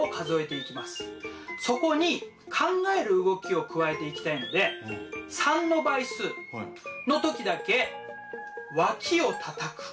そこに考える動きを加えていきたいので３の倍数の時だけわきをたたく。